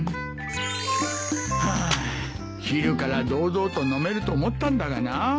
ハァ昼から堂々と飲めると思ったんだがな。